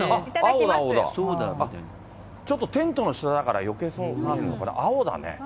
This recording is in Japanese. ちょっとテントの下だからよけいそう、青だね。